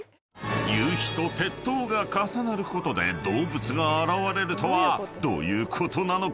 ［夕陽と鉄塔が重なることで動物が現れるとはどういうことなのか？］